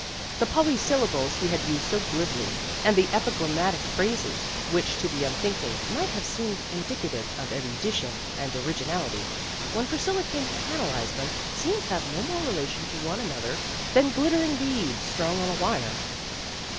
The polysyllables he used so glibly and the epigramatic phrases which to the unthinking might have seemed indicative of erudition and originality, when Priscilla came to analyze them seemed to have no more relation to one another than glittering beads strung on a wire.